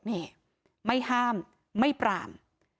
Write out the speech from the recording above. นี่ไม่ห้ามไม่ปราม